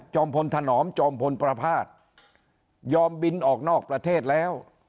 พลถนอมจอมพลประพาทยอมบินออกนอกประเทศแล้ว